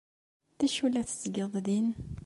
D acu i la tettgeḍ din?